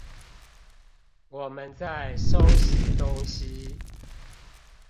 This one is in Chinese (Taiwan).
我們在收拾東西